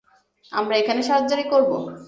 আমরা এখানে সার্জারি করবো।